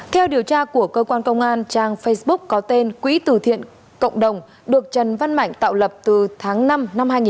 theo điều tra của cơ quan công an trang facebook có tên quỹ tử thiện cộng đồng được trần văn mạnh tạo lập từ tháng năm năm hai nghìn một mươi ba